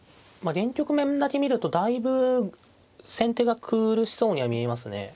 現局面だけ見るとだいぶ先手が苦しそうには見えますね。